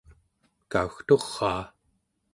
kaugturaa